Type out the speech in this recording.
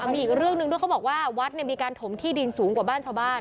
มีอีกเรื่องหนึ่งด้วยเขาบอกว่าวัดมีการถมที่ดินสูงกว่าบ้านชาวบ้าน